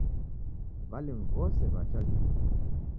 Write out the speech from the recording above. W'alimu wose wacha linu